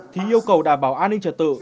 thì yêu cầu đảm bảo an ninh trật tự